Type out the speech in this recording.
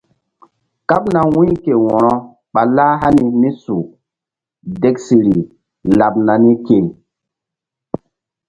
Kaɓna wu̧y ke wo̧ro ɓa lah hani mí su deksiri laɓ nani ke.